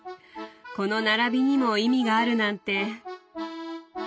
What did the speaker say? この並びにも意味があるなんて。